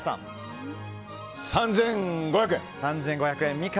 ３５００円。